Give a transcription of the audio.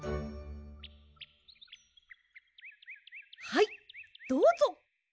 はいどうぞ。